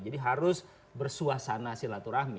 jadi harus bersuasana silaturahmi